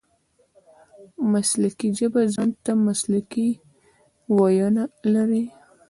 مسلکي ژبه ځان ته مسلکي وییونه لري.